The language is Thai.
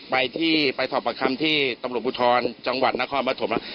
ไปที่ศพประคัมที่ตำรวจบุธรจังหวัดนครบรถม